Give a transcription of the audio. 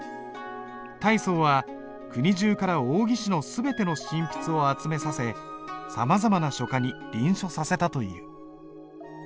太宗は国中から王羲之の全ての真筆を集めさせさまざまな書家に臨書させたという。